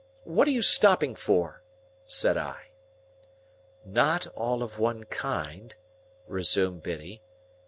What are you stopping for?" said I. "Not all of one kind," resumed Biddy.